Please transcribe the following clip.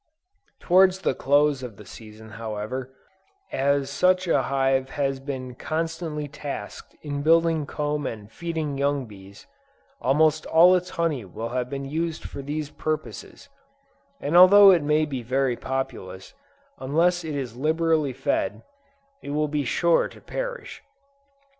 Towards the close of the season however, as such a hive has been constantly tasked in building comb and feeding young bees, almost all its honey will have been used for these purposes, and although it may be very populous, unless it is liberally fed, it will be sure to perish.